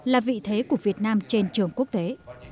là vị thế của việt nam trên trường quốc tế